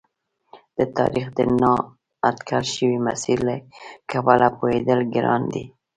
د تاریخ د نا اټکل شوي مسیر له کبله پوهېدل ګران دي.